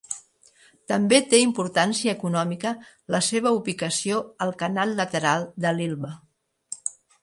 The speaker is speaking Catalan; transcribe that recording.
També té importància econòmica la seva ubicació al Canal lateral de l'Elbe.